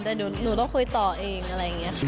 แต่เดี๋ยวมันนั้นก็คุ้นต่อเองอันนี้ค่ะ